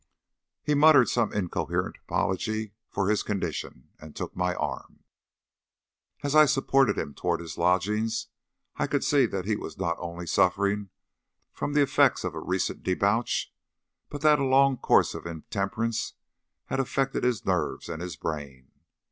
He muttered some incoherent apology for his condition, and took my arm. As I supported him towards his lodgings I could see that he was not only suffering from the effects of a recent debauch, but that a long course of intemperance had affected his nerves and his brain.